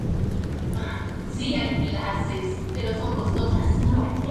La cabecera se cubre con cúpula con linterna elevada sobre pechinas.